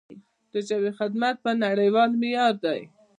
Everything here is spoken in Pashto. د ژبې خدمت په نړیوال معیار دی.